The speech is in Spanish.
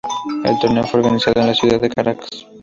El torneo fue organizado en la ciudad de Caracas.